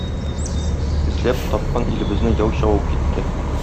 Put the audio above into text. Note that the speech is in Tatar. Эзләп тапкан илебезне яу чабып китте.